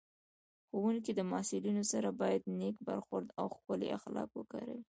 ښوونکی د محصلینو سره باید نېک برخورد او ښکلي اخلاق وکاروي